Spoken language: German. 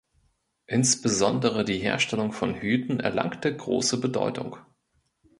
Insbesondere die Herstellung von Hüten erlangte große Bedeutung.